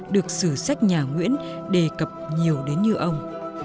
được sử sách nhà nguyễn đề cập nhiều đến như ông